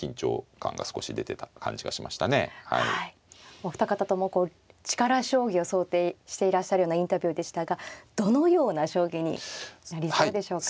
お二方とも力将棋を想定していらっしゃるようなインタビューでしたがどのような将棋になりそうでしょうか。